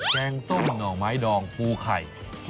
แกงส้มหน่อไม้ดองปูไข่